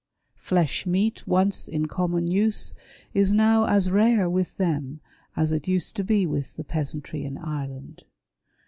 Flesh meat, once in common use, is now as rare with them, as it used to be with the peasantry in Ireland.